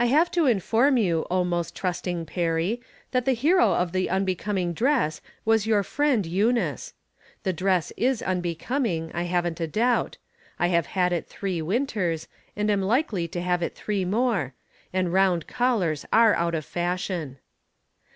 I have to inform you, oh most trusting Perry, that the hero of the unbecoming dress was your friend Eunice. The dress is unbecoming, I haven't a doubt. I have had it three winters, and am likely to have it three more ; and roui^d collars are out of fashion.